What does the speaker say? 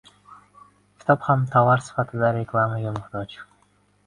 Kitob ham tovar sifatida reklamaga muhtoj.